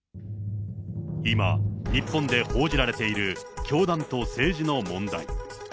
今、日本で報じられている教団と政治の問題。